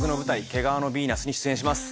「毛皮のヴィーナス」に出演します。